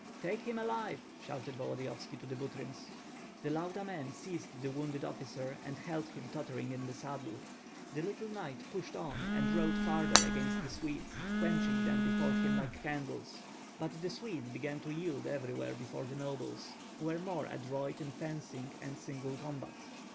"Take him alive!" shouted Volodyovski to the Butryms. The Lauda men seized the wounded officer and held him tottering in the saddle; the little knight pushed on and rode farther against the Swedes, quenching them before him like candles. But the Swedes began to yield everywhere before the nobles, who were more adroit in fencing and single combat.